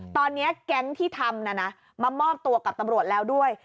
ตอนนี้แก๊งที่ทำมามอบตัวกับตำรวจแล้วด้วย